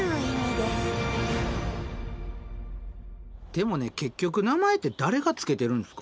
でもね結局名前って誰が付けてるんですか？